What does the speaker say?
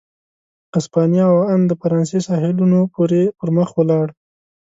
اسپانیا او ان د فرانسې ساحلونو پورې پر مخ ولاړ.